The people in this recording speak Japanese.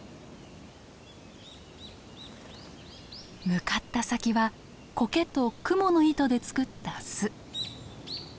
向かった先はコケとクモの糸で作った巣。